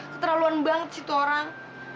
keterlaluan banget sih itu orang